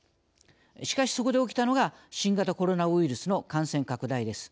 しかし、そこで起きたのが新型コロナウイルスの感染拡大です。